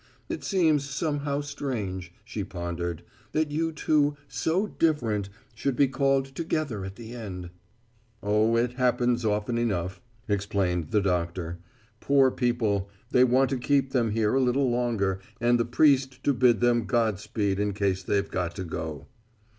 "It seems somehow strange," she pondered, "that you two, so different, should be called together at the end." "Oh, it happens often enough," explained the doctor. "Poor people. They want to keep them here a little longer, and the priest to bid them Godspeed in case they've got to go."